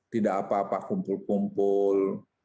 tidak apa apa kumpul kumpul